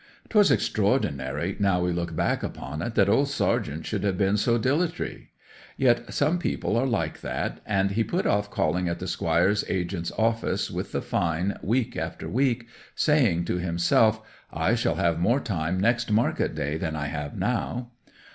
''Twas extraordinary, now we look back upon it, that old Sargent should have been so dilatory; yet some people are like it; and he put off calling at the Squire's agent's office with the fine week after week, saying to himself, "I shall have more time next market day than I have now."